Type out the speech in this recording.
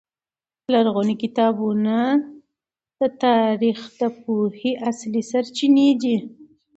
لرغوني کتابونه د تاریخ د پوهې اصلي سرچینې دي.